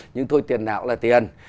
nhưng thôi tiền nào cũng là tiền